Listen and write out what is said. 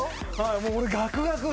もう俺ガクガクっすわ。